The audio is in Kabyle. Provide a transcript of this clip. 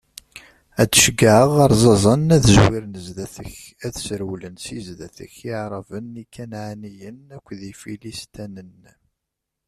Ad d-ceggɛeɣ arẓaẓen, ad zwiren zdat-k, ad srewlen si zdat-k Iɛraben, Ikanɛaniyen akked Ifilistanen.